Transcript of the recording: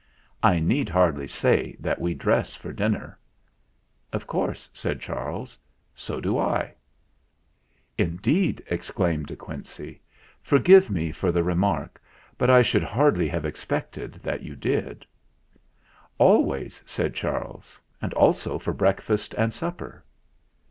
I need hardly say that we dress for dinner." "Of course," said Charles; "so do I." " Indeed !" exclaimed De Quincey. "For give me for the remark; but I should hardly have expected that you did." DE QUINCEY 107 "Always," said Charles; "and also for breakfast and supper."